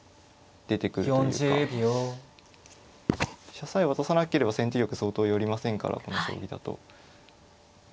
飛車さえ渡さなければ先手玉相当寄りませんからこの将棋だと。